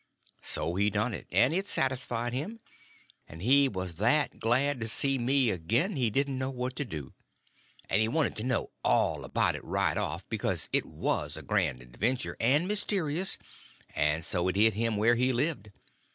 So he done it; and it satisfied him; and he was that glad to see me again he didn't know what to do. And he wanted to know all about it right off, because it was a grand adventure, and mysterious, and so it hit him where he lived.